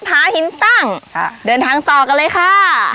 สะพานหินทาลีตัวผู้ที่มีจุดสังเกตที่ก้อนหินสองก้อนที่บริเวณสะพานนี่แหละค่ะ